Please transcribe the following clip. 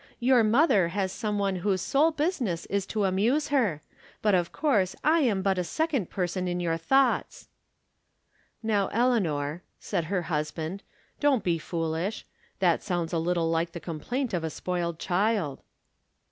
Your mother has some one whose sole business is to amuse her. But, of course, I am but a second person in your thoughts." " Now, Eleanor," said her husband, " don't be foolish. That sounds a little like the complaint of a spoiled child."